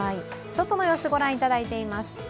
外の様子を御覧いただいています。